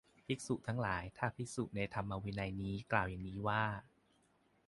ภิกษุทั้งหลาย ถ้าภิกษุในธรรมวินัยนี้กล่าวอย่างนี้ว่า